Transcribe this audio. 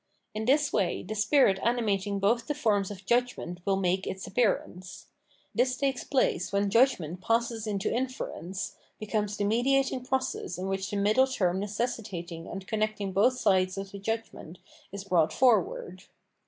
In this way the spirit animating both the forms of judgment will make its appearance. This takes place when judgment passes into inference, becomes the mediating process in which the middle term necessitating and connecting both sides of the judgment is brought forward.